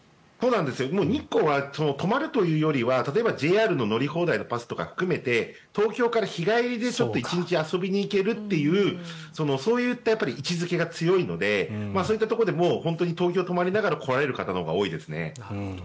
日光は泊まるというよりはＪＲの乗り放題のパスとか含めて東京から日帰りで１日遊びに行けるというそういった位置付けが強いのでそういったところで東京に泊まりながら来られる方のほうが多いですね。